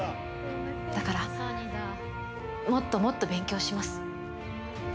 だからもっともっと勉強します」